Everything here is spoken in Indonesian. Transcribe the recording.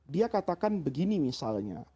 dia katakan begini misalnya